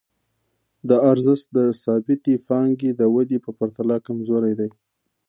دا ارزښت د ثابتې پانګې د ودې په پرتله کمزوری دی